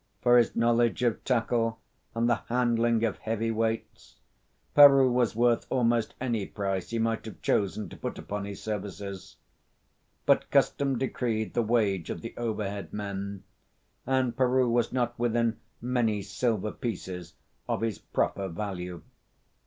For his knowledge of tackle and the handling of heavy weights, Peroo was worth almost any price he might have chosen to put upon his services; but custom decreed the wage of the overhead men, and Peroo was not within many silver pieces of his proper value.